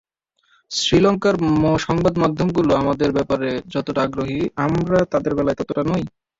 শ্রীলঙ্কার সংবাদমাধ্যমগুলো আমাদের ব্যাপারে যতটা আগ্রহী, আমরা তাদের বেলায় ততটা নই।